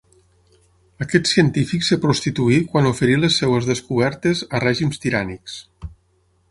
Aquest científic es prostituí quan oferí les seves descobertes a règims tirànics.